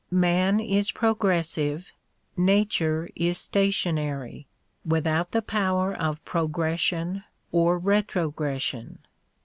]\lan is progressive ; nature is stationary, without the power of progression or retrogression.